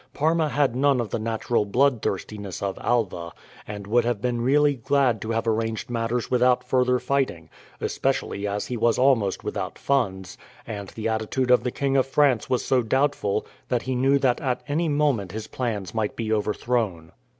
Parma had none of the natural bloodthirstiness of Alva, and would have been really glad to have arranged matters without further fighting; especially as he was almost without funds, and the attitude of the King of France was so doubtful that he knew that at any moment his plans might be overthrown.